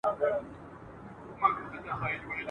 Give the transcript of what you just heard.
ښځي په زراعت کي هم مرسته کولای سي.